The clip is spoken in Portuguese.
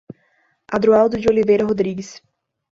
Adroaldo de Oliveira Rodrigues